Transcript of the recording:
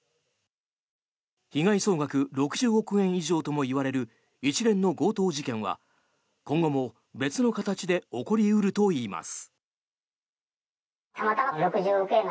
被害総額６０億円以上とも言われる一連の強盗事件は今後も別の形で起こり得るといいます。